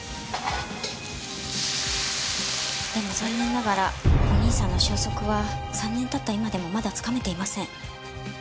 でも残念ながらお兄さんの消息は３年経った今でもまだつかめていません。